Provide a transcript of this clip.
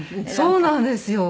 そうなんですよ。